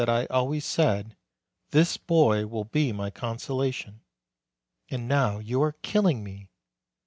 I always said, 'This boy will be my consolation !' And now you are killing me